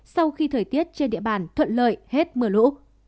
sau khi thời tiết trên địa bàn thuận lợi hết mưa lũ